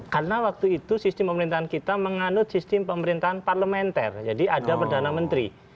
karena waktu itu sistem pemerintahan kita menganut sistem pemerintahan parlementer jadi ada perdana menteri